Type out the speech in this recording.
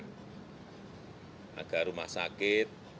agar memperkenalkan virus corona yang terkena pada saat ini